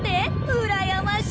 うらやましい！